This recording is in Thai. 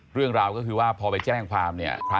เรื่องราวก็คือว่าพอไปแจ้งความเนี่ย